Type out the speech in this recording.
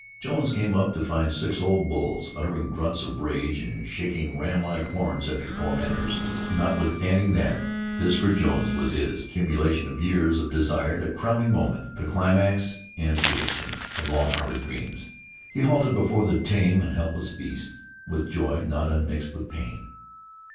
Jones came up to find six old bulls uttering grunts of rage and shaking ram like horns at their tormentors. Notwithstanding that for Jones this was the cumulation of years of desire, the crowning moment, the climax and fruition of long harbored dreams, he halted before the tame and helpless beasts, with joy not unmixed with pain.